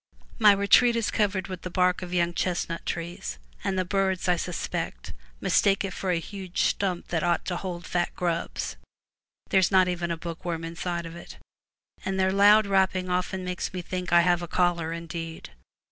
My retreat is covered with the bark of young chestnut trees, and the birds, I suspect, mistake it for a huge stump that ought to hold fat grubs (there is not even a book worm inside of it), and their loud rapping often makes me think I have a caller indeed.